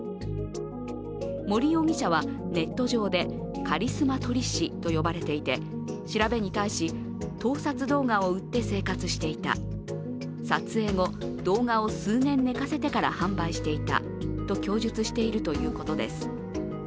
森容疑者はネット上でカリスマ撮り師と呼ばれていて調べに対し盗撮動画を売って生活していた、撮影後、動画を数年寝かせてから販売していたと供述しているということです。